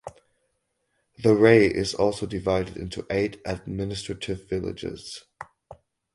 Tha Rae is also divided into eight administrative villages.